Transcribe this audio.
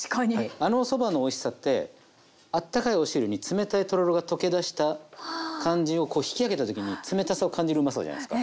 あのおそばのおいしさってあったかいお汁に冷たいとろろが溶け出した感じをこう引き上げた時に冷たさを感じるうまさじゃないですか。